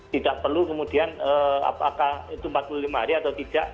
tidak perlu kemudian apakah itu empat puluh lima hari atau tidak